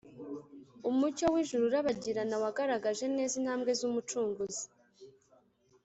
umucyo w’ijuru urabagirana wagaragaje neza intambwe z’Umucunguzi